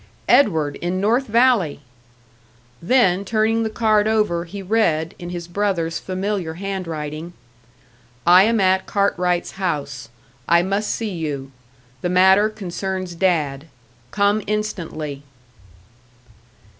Edward in North Valley! Then, turning the card over, he read, in his brother's familiar handwriting, "I am at Cartwright's house. I must see you. The matter concerns Dad. Come instantly."